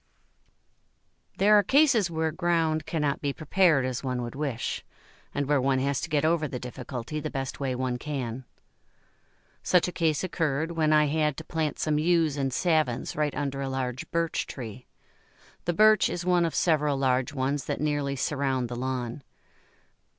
There are cases where ground cannot be prepared as one would wish, and where one has to get over the difficulty the best way one can. Such a case occurred when I had to plant some Yews and Savins right under a large Birch tree. The Birch is one of several large ones that nearly surround the lawn.